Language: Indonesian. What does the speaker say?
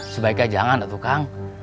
sebaiknya jangan tuh kang